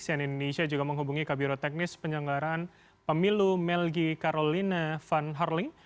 cnn indonesia juga menghubungi kabiro teknis penyelenggaraan pemilu melgi karolina van harling